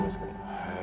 へえ。